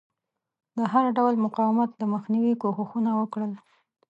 د هر ډول مقاومت د مخنیوي کوښښونه وکړل.